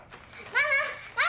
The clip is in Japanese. ママ！